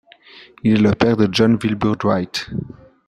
Il est le père de John Wilbur Dwight.